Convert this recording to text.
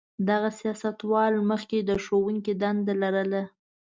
دغه سیاستوال مخکې د ښوونکي دنده لرله.